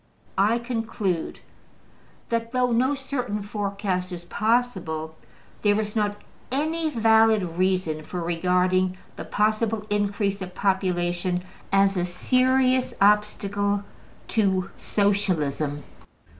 I conclude that, though no certain forecast is possible, there is not any valid reason for regarding the possible increase of population as a serious obstacle to Socialism.